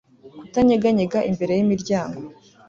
Kutanyeganyega imbere yimiryango